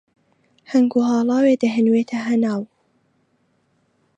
هەنگ و هاڵاوێ دەهەنوێتە هەناو